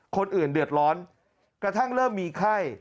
คนอื่นเดือดร้อนกระทั่งเริ่มมีไข้